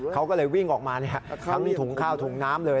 เขาก็เลยวิ่งออกมาทั้งที่ถุงข้าวถุงน้ำเลย